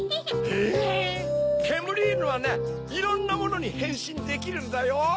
えぇ⁉けむりいぬはねいろんなものにへんしんできるんだよ。